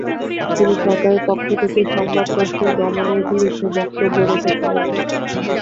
তিনি সরকারের পক্ষ থেকে সংবাদপত্র দমনের বিরুদ্ধে বক্তব্য রেখেছিলেন।